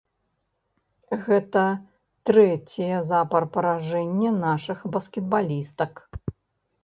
Гэта трэцяе запар паражэнне нашых баскетбалістак.